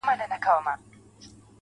گراني بس څو ورځي لاصبر وكړه.